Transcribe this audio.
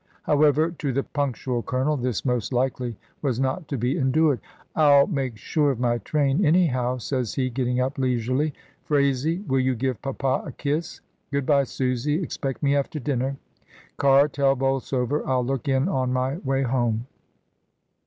However, to the punctual Colonel this most likely was not to be endured. "I'll make sure of my train, anyhow," says he, getting up leisurely. "Phraisie, will you give papa a kiss? Good bye, Susy; expect me after dinner. Car, tell Bolsover I'll look in on my way home."